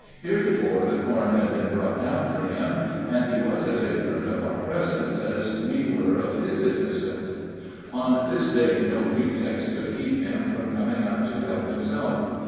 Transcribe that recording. Heretofore the corn had been brought down for him, and he was as ignorant of our presence as we were of his existence. On this day no pretext could keep him from coming up to help himself.